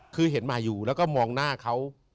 คือเห็นมาอยู่แล้วก็มองหน้าเขา